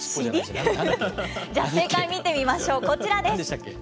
じゃあ正解見てみましょう、こちらです。